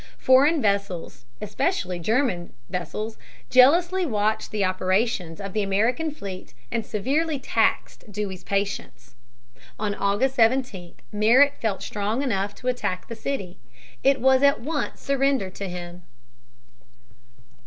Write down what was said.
Foreign vessels, especially the German vessels, jealously watched the operations of the American fleet and severely taxed Dewey's patience. On August 17 Merritt felt strong enough to attack the city. It was at once surrendered to him.